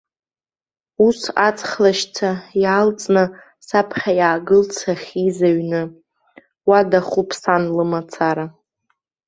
Ус аҵх лашьца иаалҵны саԥхьа иаагылт сахьиз аҩны, уа дахуп сан лымацара.